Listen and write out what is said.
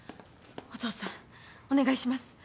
お父さんお願いします。